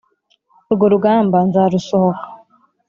urwo rugamba nzarusohoka